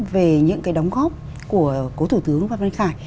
về những cái đóng góp của cố thủ tướng phạm văn khải